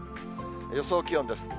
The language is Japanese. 予想気温です。